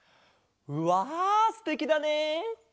わすてきだね。